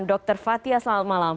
dr fathia selamat malam